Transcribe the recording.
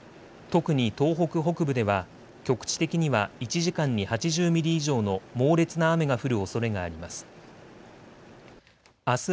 特に東北北部では局地的には１時間に８０ミリ以上の猛烈な雨が降るおそれがあります。